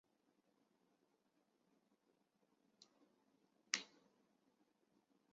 它们是非洲另外两种丛林伯劳的近亲。